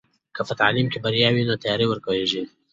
که په تعلیم کې بریا وي نو تیارې ورکېږي.